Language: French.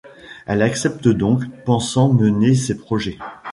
Elle accepte donc, pensant mener ses projets.